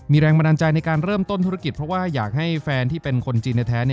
มีแรงบันดาลใจในการเริ่มต้นธุรกิจเพราะว่าอยากให้แฟนที่เป็นคนจีนแท้